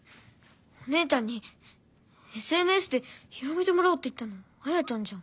お姉ちゃんにＳＮＳで広めてもらおうって言ったのあやちゃんじゃん。